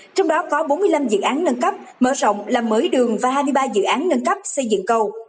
trong đó có bốn mươi năm dự án nâng cấp mở rộng làm mới đường và hai mươi ba dự án nâng cấp xây dựng cầu